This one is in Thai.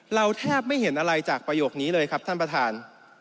เราแทบไม่เห็นอะไรจากประโยคนี้เลยครับท่านประธาน